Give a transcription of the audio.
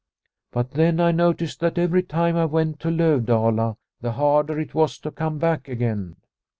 But then I noticed that every time I went to Lovdala, the harder it was to come back again.